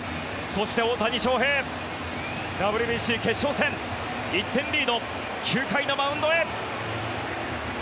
そして大谷翔平、ＷＢＣ決勝戦１点リード、９回のマウンドへ。